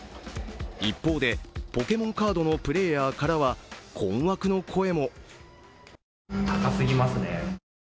一方で、ポケモンカードのプレーヤーからは困惑の声も。